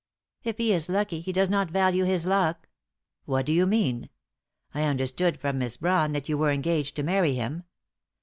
"If he is lucky, he does not value his luck." "What do you mean? I understood from Miss Brawn that you were engaged to marry him."